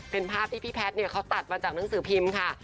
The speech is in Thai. เป็นภาพที่พี่แพทย์เขาตัดมาจากหนังสือพิมพ์ค่ะ